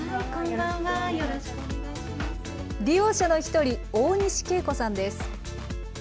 利用者の一人、大西啓子さんです。